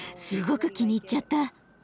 すごく気に入っちゃった。